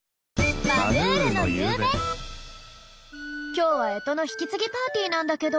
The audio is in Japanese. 今日は干支の引き継ぎパーティーなんだけど。